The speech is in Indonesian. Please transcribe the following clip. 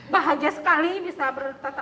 bahagia sekali bisa bertata